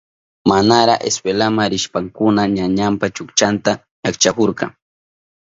Manara iskwelama rishpankuna ñañanpa chukchanta ñakchahurka.